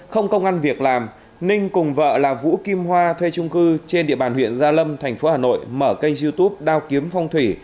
không công an việc làm ninh cùng vợ là vũ kim hoa thuê trung cư trên địa bàn huyện gia lâm thành phố hà nội mở kênh youtube đao kiếm phong thủy